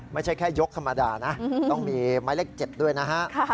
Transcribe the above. ไม่ใช่แค่ยกธรรมดานะต้องมีไม้เลข๗ด้วยนะฮะ